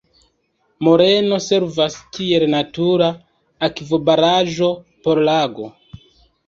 Moreno servas kiel natura akvobaraĵo por la lago.